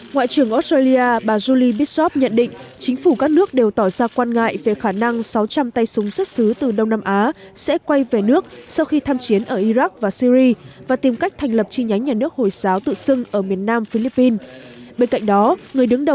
ngoại trưởng australia vừa lên tiếng cảnh báo tổ chức nhà nước hồi giáo is tự xưng sẽ chuyển địa bàn hoạt động đến philippines nếu các bên liên quan không bắt tay ngay vào công cuộc chống khủng